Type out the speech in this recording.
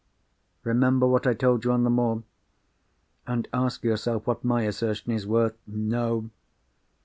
Remember what I told you on the moor—and ask yourself what my assertion is worth. No!